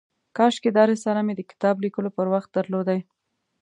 کاشکي دا رساله مې د کتاب لیکلو پر وخت درلودای.